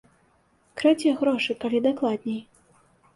Крадзе грошы, калі дакладней.